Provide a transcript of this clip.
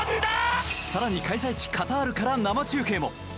更に、開催地カタールから生中継も。